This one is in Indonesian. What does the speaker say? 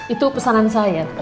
itu pesanan saya